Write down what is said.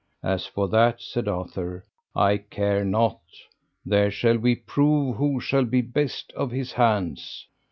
As for that, said Arthur, I care not; there shall we prove who shall be best of his hands.